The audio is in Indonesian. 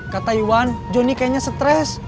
kata iwan joni kayaknya stres